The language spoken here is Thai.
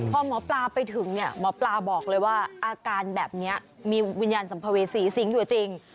พอหมอปลาไปถึงเนี่ยหมอปลาบอกเลยว่าอาการแบบนี้มีวิญญาณสัมภเวษีสิงห์อยู่จริง